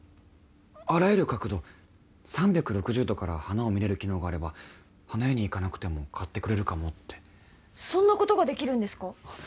あらゆる角度３６０度から花を見れる機能があれば花屋に行かなくても買ってくれるかもってそんなことができるんですか？